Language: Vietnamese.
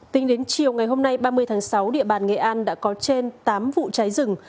tính đến chiều ngày hôm nay ba mươi tháng sáu địa bàn nghệ an đã có trên tám vụ cháy rừng